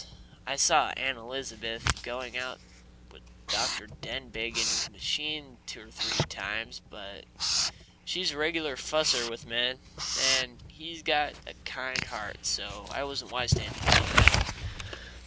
I saw Aunt Elizabeth going out with Dr. Denbigh in his machine two or three times, but she's a regular fusser with men, and he's got a kind heart, so I wasn't wise to anything in that.